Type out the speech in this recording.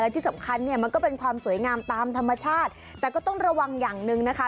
ที่สำคัญเนี่ยมันก็เป็นความสวยงามตามธรรมชาติแต่ก็ต้องระวังอย่างหนึ่งนะคะ